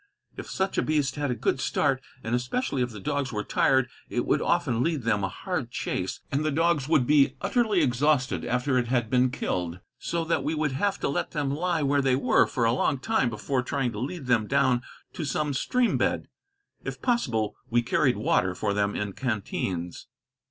If such a beast had a good start, and especially if the dogs were tired, it would often lead them a hard chase, and the dogs would be utterly exhausted after it had been killed; so that we would have to let them lie where they were for a long time before trying to lead them down to some stream bed. If possible, we carried water for them in canteens.